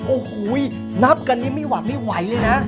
โอ้โหนับกันนี่ไม่หวัดไม่ไหวเลยนะ